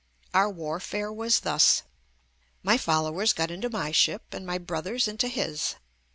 Our warfare was thus — my followers got into my ship and my broth er's into his.